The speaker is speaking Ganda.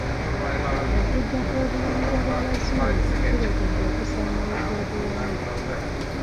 Okujja kw'obuwangwa bw'Abazungu kireetedde okusaanawo kw'obuwangwa.